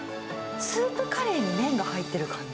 スープカレーに麺が入ってる感じ。